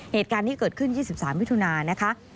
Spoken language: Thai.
เหตุการณ์ที่เกิดขึ้น๒๓มิถุนานะคะ